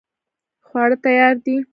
خواړه تیار دي